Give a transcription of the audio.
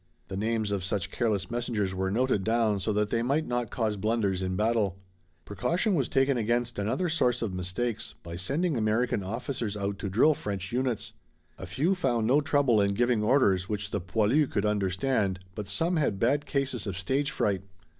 The names of such careless messengers were noted down so that they might not cause blunders in battle. Precaution was taken against another source of mistakes by sending American officers out to drill French units. A few found no trouble in giving orders which the poilus could understand, but some had bad cases of stage fright.